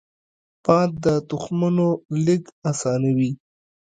باد د تخمونو لیږد اسانوي